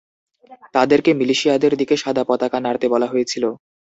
তাদেরকে মিলিশিয়াদের দিকে সাদা পতাকা নাড়তে বলা হয়েছিল।